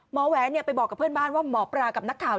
แหวนไปบอกกับเพื่อนบ้านว่าหมอปลากับนักข่าว